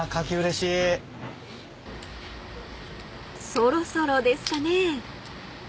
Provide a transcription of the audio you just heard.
［そろそろですかね］